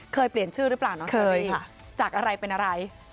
เคยเปลี่ยนชื่อหรือเปล่าโทรวีจากอะไรเป็นอะไรเคยค่ะ